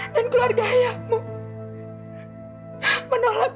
dan keluarga ayahmu menolak kehadiran kamu dan ibu nak